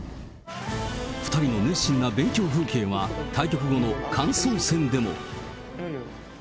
２人の熱心な勉強風景は、対局後の感想戦でも。